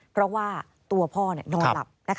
เพราะว่าตัวพ่อนอนหลับ